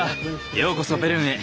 ようこそベルンへ。